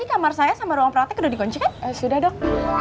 ini temen saya darurat dokter kenapa pak